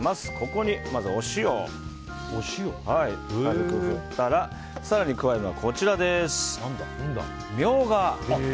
ここに、まずお塩を軽く振ったら更に加えるのはミョウガ。